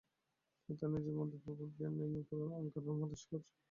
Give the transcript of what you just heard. তিনি তার নিজের "মন্দির-পর্বত" বেয়ন নির্মাণ, করেন আংকোর থম শহরের উন্নতিসাধন করেন।